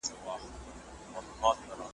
چي پر اړخ به راواړاوه مېرمني ,